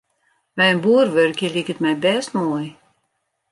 By in boer wurkje liket my bêst moai.